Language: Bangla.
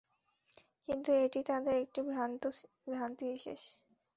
কিন্তু এটি তাদের একটি ভ্রান্তি বিশেষ।